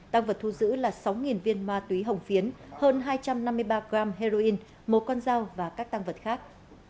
tăng vật thu giữ là sáu viên ma túy hồng phiến hơn hai trăm năm mươi ba g heroin một con dao và các tăng vật khác